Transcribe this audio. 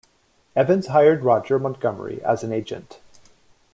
Evans hired Roger Montgomery as an agent.